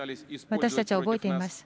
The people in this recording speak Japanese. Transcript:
私たちは覚えています。